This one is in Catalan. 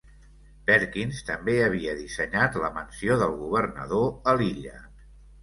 Perkins també havia dissenyat la mansió del governador a l'illa.